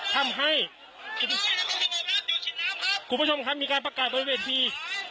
ทำให้อยู่ฉีดน้ำครับคุณผู้ชมครับมีการประกาศบริเวณพื้นที่